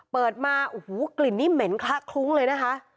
เปิดมาโอ้โหกลิ่นนี่เหม็นคละคลุ้งเลยนะคะ